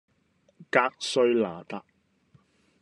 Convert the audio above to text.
格瑞那達